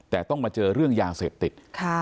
แต่ต้องมาเจอเรื่องยาเสพติด